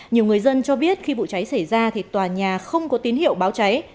nhiều người dân cho biết khi vụ cháy xảy ra thì tòa nhà không có tín hiệu báo cháy